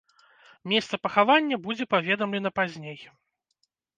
Месца пахавання будзе паведамлена пазней.